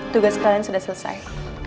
tugas kalian sudah selesai